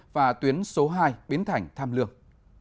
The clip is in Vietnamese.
và tuyến số hai biến thành tham lương